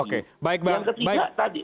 yang ketiga tadi